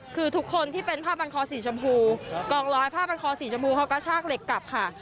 คือทุกคนที่เป็นผ้าบันคอสีชมพูกองร้อยผ้าบันคอสีชมพูเขากระชากเหล็กกลับค่ะ